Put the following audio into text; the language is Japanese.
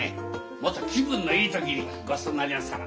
もっと気分のいい時にごちそうになりますから。